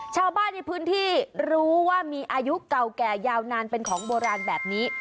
ชาวบ้านในพื้นที่รู้ว่ามีอายุเก่าแก่ยาวนานเป็นของโบราณแบบนี้